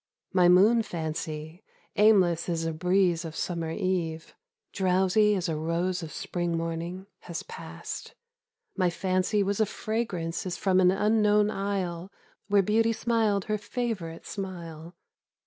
My moon fancy. Aimless as a breeze of summer eve, 38 Under the Moon Drowsy as a rose of Spring morning, has passed : My fancy was a fragrance as from an unknown isle Where Beauty smiled her favourite smile.